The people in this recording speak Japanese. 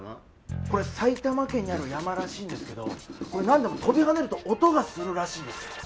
これ埼玉県にある山らしいんですけど何でも飛び跳ねると音がするらしいんですよ